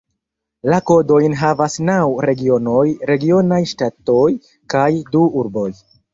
La kodojn havas naŭ regionoj (regionaj ŝtatoj) kaj du urboj.